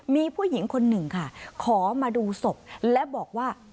มีผู้หญิงคนหนึ่งค่ะขอมาดูศพและบอกว่า